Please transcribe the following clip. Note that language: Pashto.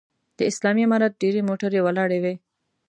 د اسلامي امارت ډېرې موټرې ولاړې وې.